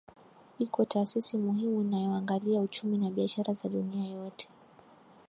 iko taasisi muhimu inayoangalia uchumi na biashara za duina yote